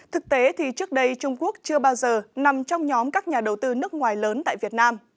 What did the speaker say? thực tế thì trước đây trung quốc chưa bao giờ nằm trong nhóm các nhà đầu tư nước ngoài lớn tại việt nam